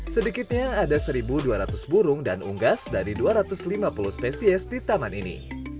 sedikitnya ada satu dua ratus burung dan unggas dari dua ratus lima puluh spesies di taman ini